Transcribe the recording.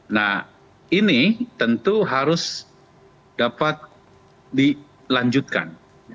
nah ini tentu harus dapat dilanjutkan